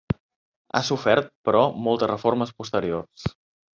Ha sofert, però, moltes reformes posteriors.